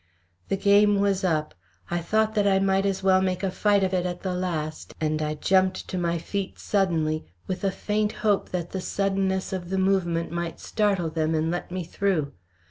The game was up. I thought that I might as well make a fight of it at the last, and I jumped to my feet suddenly, with a faint hope that the suddenness of the movement might startle them and let me through.